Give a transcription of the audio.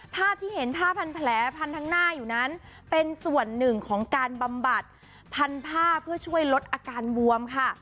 ภาพที่เห็นผ้าพันแผลพันทั้งหน้าอยู่นั้นเป็นส่วนหนึ่งของการบำบัดพันผ้าเพื่อช่วยลดอาการบวมค่ะ